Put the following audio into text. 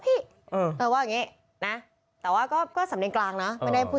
หมา๕๐บาทยังไงเป็นค่าที่จอด